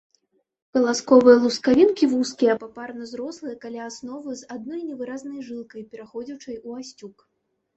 Каласковыя лускавінкі вузкія, папарна зрослыя каля асновы, з адной невыразнай жылкай, пераходзячай у асцюк.